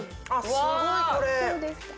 すごいこれ。